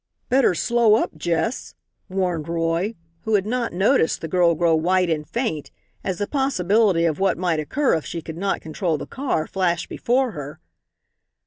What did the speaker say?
"Better slow up, Jess," warned Roy, who had not noticed the girl grow white and faint, as the possibility of what might occur if she could not control the car flashed before her.